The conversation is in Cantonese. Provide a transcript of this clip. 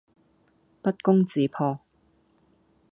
不攻自破